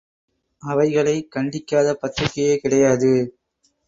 அவைகளைக் கண்டிக்காத பத்திரிகையே கிடையாது.